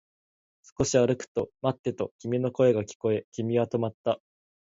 少し歩くと、待ってと君の声が聞こえ、君は止まった